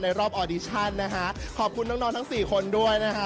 รอบออดิชั่นนะคะขอบคุณน้องน้องทั้งสี่คนด้วยนะคะ